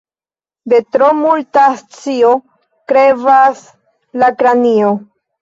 De tro multa scio krevas la kranio.